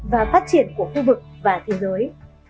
và phát triển của khu vực và thế giới